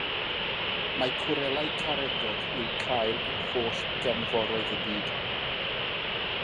Mae cwrelau caregog i'w cael yn holl gefnforoedd y byd.